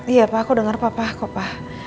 iya pak aku dengar papa kok pak